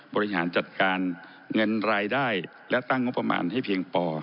บริหารจัดการเงินรายได้และตั้งงบประมาณให้เพียงพอ